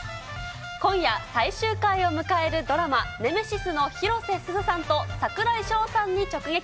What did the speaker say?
今夜、最終回を迎えるドラマ、ネメシスの広瀬すずさんと櫻井翔さんに直撃。